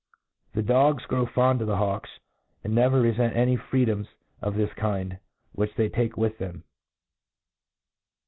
The dogs grow fond ^f the liawkt, tttid never refent any freedoms pf this kind whieh t^ tike with them.